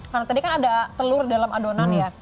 karena tadi kan ada telur dalam adonan ya